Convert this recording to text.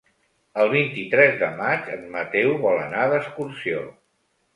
El vint-i-tres de maig en Mateu vol anar d'excursió.